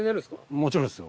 もちろんですよ。